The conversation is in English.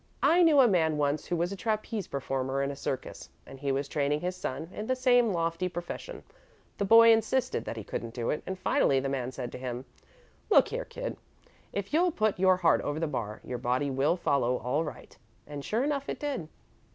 "I knew a man once who was a trapeze performer in a circus and he was training his son in the same lofty profession. The boy insisted that he couldn't do it, and finally the man said to him: 'Look here, kid, if you'll put your heart over the bar, your body will follow all right,' and sure enough it did.